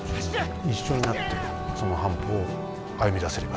一緒になってその半歩を歩みだせればなと。